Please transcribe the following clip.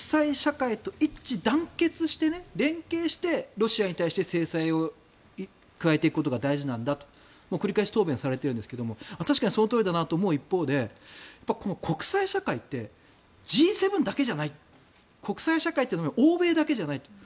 よく岸田さんが国会で一致団結して連携してロシアに対して制裁を加えていくことが大事なんだと繰り返し答弁されているんですが確かにそのとおりだと思う一方で国際社会ってＧ７だけじゃない国際社会というのは欧米だけじゃない。